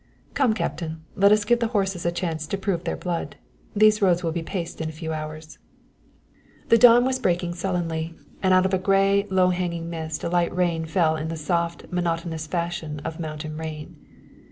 "Come, Captain! Let us give the horses a chance to prove their blood. These roads will be paste in a few hours." The dawn was breaking sullenly, and out of a gray, low hanging mist a light rain fell in the soft, monotonous fashion of mountain rain.